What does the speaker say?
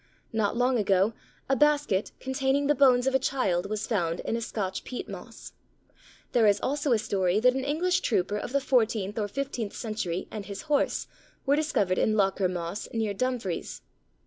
Not long ago a basket containing the bones of a child was found in a Scotch peat moss. There is also a story that an English trooper of the fourteenth or fifteenth century, and his horse, were discovered in Lochar Moss, near Dumfries.